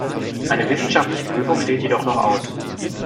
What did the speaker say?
Eine wissenschaftliche Prüfung steht jedoch noch aus.